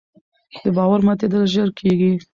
د باور ماتېدل ژر کېږي